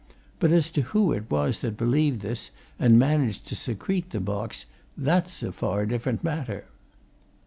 But as to who it was that believed this, and managed to secrete the box that's a far different matter!"